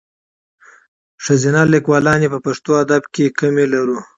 ښځینه لیکوالاني په پښتو ادب کښي کمي لرو.